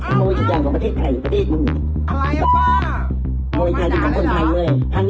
มึงทะโมยทุกอย่างของประเทศไทยก็ข้วคูนะ